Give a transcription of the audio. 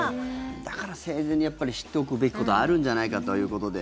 だから生前にやっぱり知っておくべきことあるんじゃないかということで。